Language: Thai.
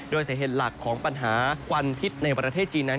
โดยสาเหตุหลักของปัญหาควันพิษในประเทศจีนนั้น